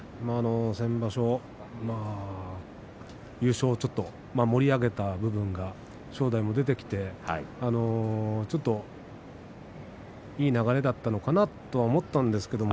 先場所、優勝を盛り上げた部分が正代も出てきてちょっといい流れだったのかなと思ったんですけれど。